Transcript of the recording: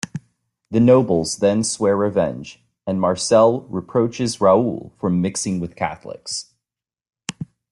The nobles then swear revenge, and Marcel reproaches Raoul for mixing with Catholics.